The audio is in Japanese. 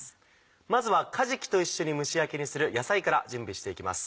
まずはかじきと一緒に蒸し焼きにする野菜から準備していきます。